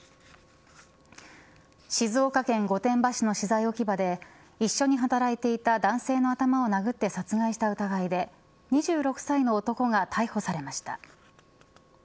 静岡県御殿場市の資材置き場で一緒に働いていた男性の頭を殴って殺害した疑いで２６歳の男が逮捕されました。